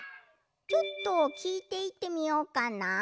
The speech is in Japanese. ちょっときいていってみようかな。